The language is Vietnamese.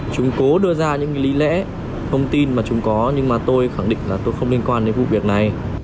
chúng cố đưa ra những lý lẽ thông tin mà chúng có nhưng mà tôi khẳng định là tôi không liên quan đến vụ việc này